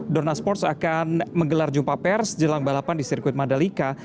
dorna sports akan menggelar jumpa pers jelang balapan di sirkuit mandalika